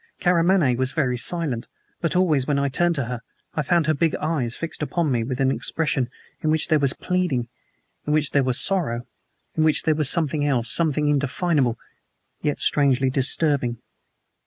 Karamaneh was very silent, but always when I turned to her I found her big eyes fixed upon me with an expression in which there was pleading, in which there was sorrow, in which there was something else something indefinable, yet strangely disturbing.